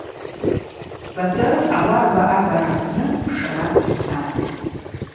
Батыр ауарба агӏвара апны пшра дцатӏ.